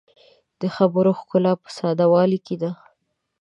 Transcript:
د خبرو ښکلا په ساده والي کې ده